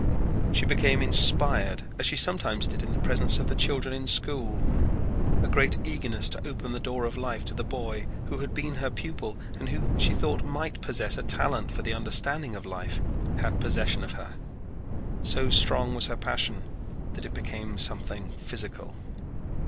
She became inspired as she sometimes did in the presence of the children in school. A great eagerness to open the door of life to the boy, who had been her pupil and who she thought might possess a talent for the understanding of life, had possession of her. So strong was her passion that it became something physical.